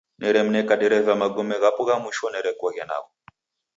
Neremneka dereva magome ghapo gha mwisho nerekoghe nagho.